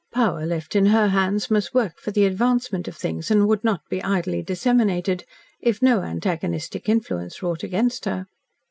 Power left in her hands must work for the advancement of things, and would not be idly disseminated if no antagonistic influence wrought against her.